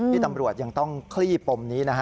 ที่ตำรวจยังต้องคลี่ปมนี้